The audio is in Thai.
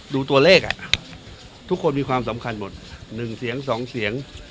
ดูตัวเลขทุกคนมีความสำคัญหมด๑เสียง๒เสียง